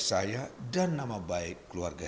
saya dan nama baik keluarga